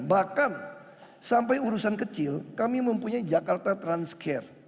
bahkan sampai urusan kecil kami mempunyai jakarta transcare